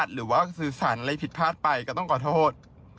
หรือว่าสื่อสารอะไรผิดพลาดไปก็ต้องขอโทษ